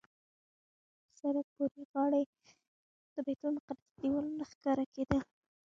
د سړک پورې غاړې د بیت المقدس دیوالونه ښکاره کېدل.